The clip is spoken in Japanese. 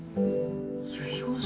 「遺言書」？